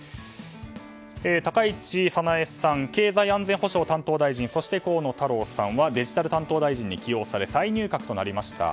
高市早苗さん経済安全保障担当大臣そして、河野太郎さんはデジタル担当大臣に起用され、再入閣となりました。